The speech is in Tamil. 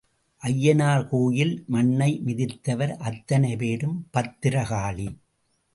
ஐயனார் கோயில் மண்ணை மிதித்தவர் அத்தனை பேரும் பத்திர காளி.